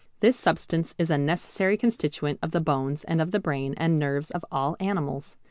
This substance is a necessary constituent of the bones and of the brain and nerves of all animals.